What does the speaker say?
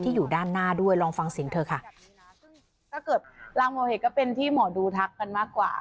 อยู่ด้านหน้าด้วยลองฟังเสียงเธอค่ะซึ่งถ้าเกิดรางหมอเห็ดก็เป็นที่หมอดูทักกันมากกว่า